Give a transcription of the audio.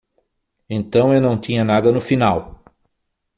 Então eu não tinha nada no final.